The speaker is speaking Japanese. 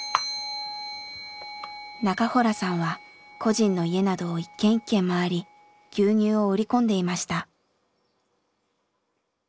中洞さんは個人の家などを一軒一軒回り牛乳を売り込んでいました。